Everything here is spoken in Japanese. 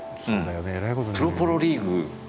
プロポロリーグ